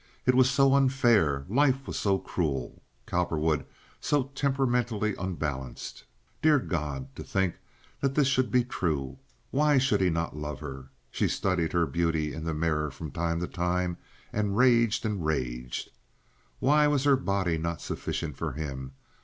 It was so unfair. Life was so cruel, Cowperwood so temperamentally unbalanced. Dear God! to think that this should be true! Why should he not love her? She studied her beauty in the mirror from time to time, and raged and raged. Why was her body not sufficient for him?